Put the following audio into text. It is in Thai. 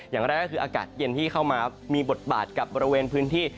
อย่างแรกก็คืออากาศเย็นที่เข้ามามีบทบาทกับบริเวณพื้นที่